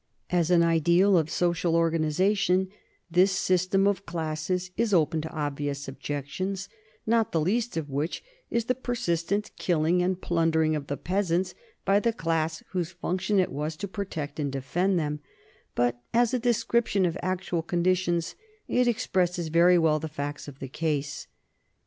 As an ideal of social organization, this system of classes is open to obvious objections, not the least of which is the persistent killing and plundering of the peasants by the class whose function it was to protect and defend them ; but as a description of actual conditions, it expresses very well the facts of the case.